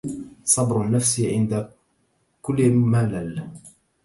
صبر النفس عند كل ملم